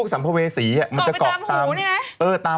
เข้าพวกนี้มีเข้า